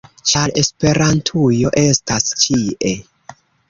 ĉar Esperantujo estas ĉie!